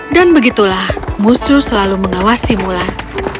dan begitulah mushu selalu mengawasi mulan